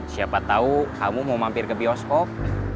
siapa tahu kamu mau mampir ke bioskop